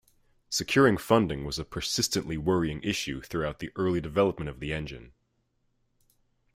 Securing funding was a persistently worrying issue throughout the early development of the engine.